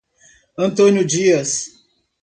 Antônio Dias